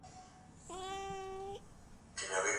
دولت د تخنیکي زده کړو ملاتړ زیاتوي.